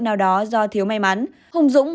nào đó do thiếu may mắn hùng dũng